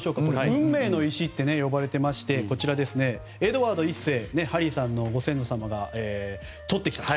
運命の石と呼ばれておりましてエドワード１世ハリーさんのご先祖様がとってきたと。